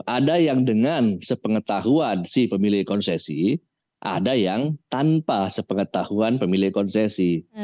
ada yang dengan sepengetahuan si pemilih konsesi ada yang tanpa sepengetahuan pemilih konsesi